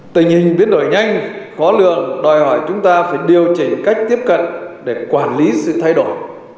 tình hình biến đổi nhanh khó lượng đòi hỏi chúng ta phải điều chỉnh cách tiếp cận để quản lý sự thay đổi